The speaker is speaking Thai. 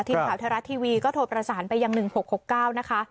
ทีมข่าวธรรมชาติทีวีก็โทรประสานไปอย่าง๑๖๖๙นะคะ